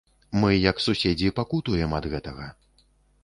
Мы як суседзі пакутуем ад гэтага.